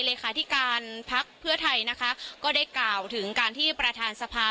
เลขาธิการพักเพื่อไทยนะคะก็ได้กล่าวถึงการที่ประธานสภา